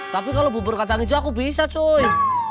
tapi kalau bubur kacang hijau aku bisa cui